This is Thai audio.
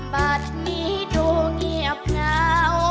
บัตรนี้ดูเงียบเหงา